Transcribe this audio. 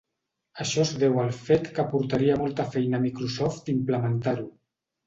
Això es deu al fet que portaria molta feina a Microsoft implementar-ho.